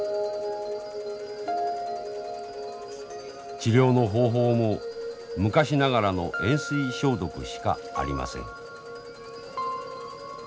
治療の方法も昔ながらの塩水消毒しかありません。